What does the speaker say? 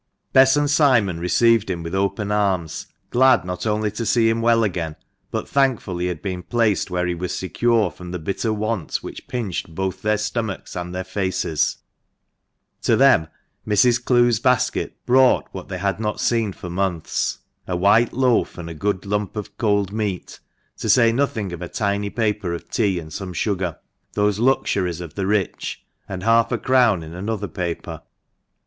Bess and Simon received him with open arms, glad not only to see him well again, but thankful he had been placed where he was secure from the bitter want which pinched both their stomachs and their faces. To them Mrs. Clowes' basket brought what they had not seen for months — a white loaf and a good lump of cold meat, to say nothing of a tiny paper of tea, and some sugar — those luxuries of the rich — and half a crown in another paper.